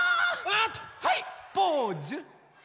はいポーズ！